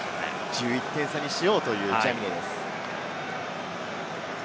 １１点差にしようというジャミネです。